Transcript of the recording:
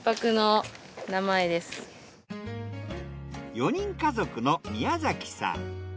４人家族の宮崎さん。